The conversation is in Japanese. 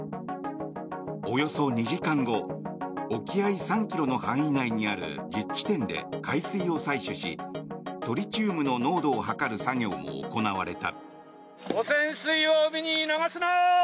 およそ２時間後沖合３ｋｍの範囲内にある１０地点で海水を採取しトリチウムの濃度を測る作業も行われた。